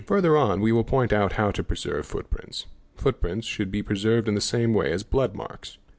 ' Further on we will point out how to preserve footprints. Footprints should be preserved in the same way as blood marks.